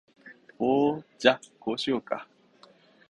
ほーじゃ、こうしようか？